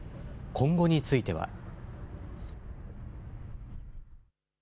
今後については。